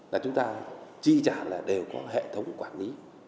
là chúng ta chi trả là đều có hệ thống quản lý